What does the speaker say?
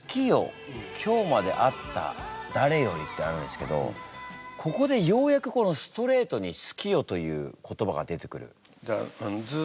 この２番のサビってあるんですけどここでようやくストレートに「好きよ」という言葉が出てくる。